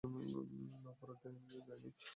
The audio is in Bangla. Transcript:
না, পড়া হয়নি।